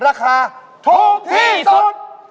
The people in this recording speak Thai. ราคาถูกที่สุด